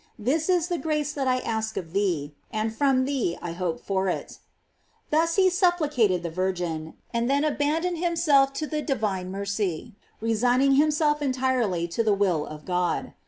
This is the grace that I ask of thee, and from thee I hope for it." Thus he supplicated the Virgin, and then abaiiv doned himself to the divine mercy, resigning himself entirely to the will of God.